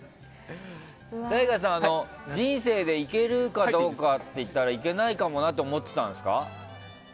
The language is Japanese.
ＴＡＩＧＡさん、人生で行けるかどうかでいったら行けないかもなって思ってたんですか？